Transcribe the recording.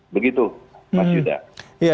begitu pak yuda